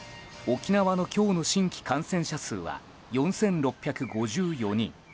沖縄の今日の新規感染者数は４６５４人。